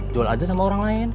jual aja sama orang lain